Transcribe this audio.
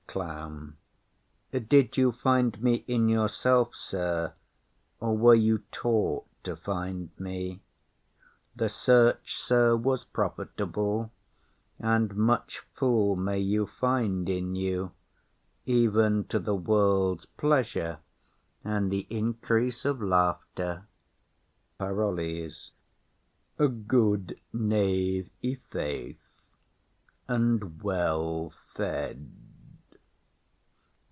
CLOWN. Did you find me in yourself, sir? or were you taught to find me? The search, sir, was profitable; and much fool may you find in you, even to the world's pleasure and the increase of laughter. PAROLLES. A good knave, i' faith, and well fed.